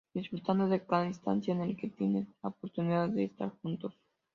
Disfrutando de cada instante en el que tienen la oportunidad de estar juntos.